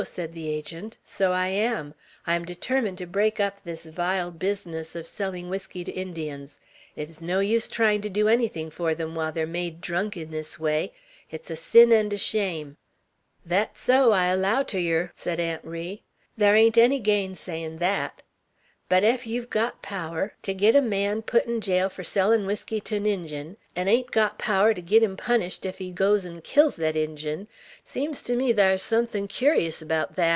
said the Agent. "So I am; I am determined to break up this vile business of selling whiskey to Indians. It is no use trying to do anything for them while they are made drunk in this way; it's a sin and a shame." "Thet's so, I allow ter yeow," said Aunt Ri. "Thar ain't any gainsayin' thet. But ef yeow've got power ter git a man put in jail fur sellin' whiskey 't 'n Injun, 'n' hain't got power to git him punished ef he goes 'n' kills thet Injun, 't sems ter me thar's suthin' cur'us abaout thet."